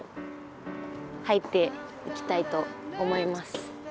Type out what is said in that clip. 入っていきたいと思います。